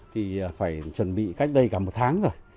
thì phải chuẩn bị cách đây cả một tháng rồi